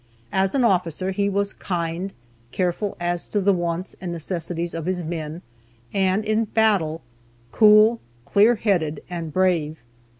As an officer, he was kind, careful as to the wants and necessities of his men, and in battle, cool, clear headed, and brave.